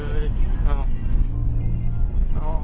เอ้า